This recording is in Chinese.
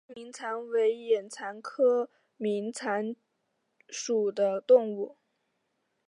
囊明蚕为眼蚕科明蚕属的动物。